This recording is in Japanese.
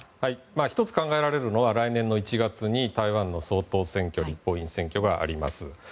１つ考えられるのは来年の１月に台湾の総統選挙があります。